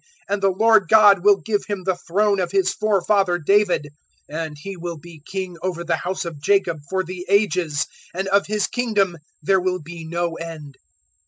And the Lord God will give Him the throne of His forefather David; 001:033 and He will be King over the House of Jacob for the Ages, and of His Kingdom there will be no end."